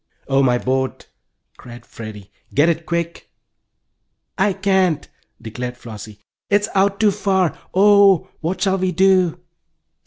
"Oh, my boat!" cried Freddie. "Get it quick!" "I can't!" declared Flossie. "It is out too far! Oh, what shall we do!"